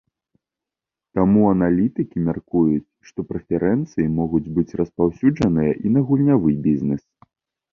Таму аналітыкі мяркуюць, што прэферэнцыі могуць быць распаўсюджаныя і на гульнявы бізнэс.